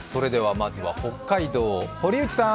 まずは北海道、堀内さん！